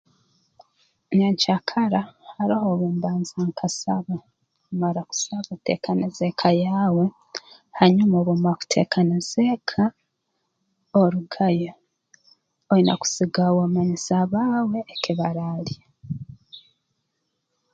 Nyenkyakara haroho obu mbanza nkasaba obu mmara kusaba oteekaniza eka yaawe hanyuma obu omara kuteekaniza eka orugayo oine kusiga wamanyisa abaawe eki baraalya